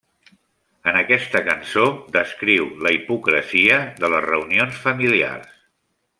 En aquesta cançó descriu la hipocresia de les reunions familiars.